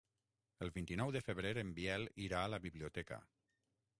El vint-i-nou de febrer en Biel irà a la biblioteca.